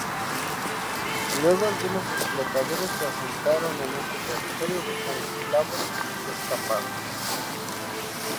Luego algunos exploradores, se asentaron en este territorio buscando esclavos escapados.